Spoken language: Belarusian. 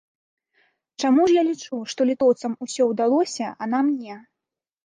Чаму ж я лічу, што літоўцам усё удалося, а нам не?